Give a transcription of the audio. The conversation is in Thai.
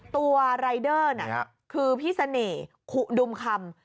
รายเดอร์น่ะคือพี่เสน่ห์ขุดุมคำ